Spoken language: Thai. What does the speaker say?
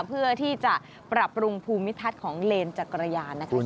เพื่อที่จะปรับปรุงภูมิทัศน์ของเลนจักรยานนะคะ